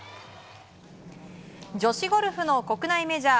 女子ゴルフの国内メジャー。